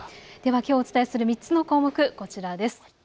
きょうお伝えする３つの項目こちらです。